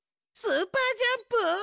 スーパージャンプ？